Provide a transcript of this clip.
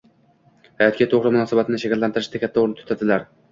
hayotga to‘g‘ri munosabatni shakllantirishda katta o‘rin tutadilar.